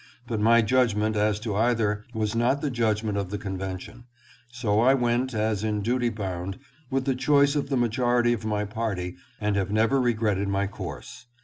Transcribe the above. But my judgment as to either was not the judgment of the conven tion, so I went, as in duty bound, with the choice of the majority of my party and have never regretted my course.